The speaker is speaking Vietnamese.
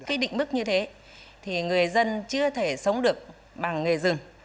cái định mức như thế thì người dân chưa thể sống được bằng nghề rừng